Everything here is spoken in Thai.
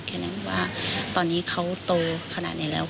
แค่นั้นว่าตอนนี้เขาโตขนาดไหนแล้ว